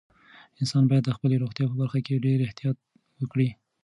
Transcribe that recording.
انسانان باید د خپلې روغتیا په برخه کې ډېر احتیاط وکړي.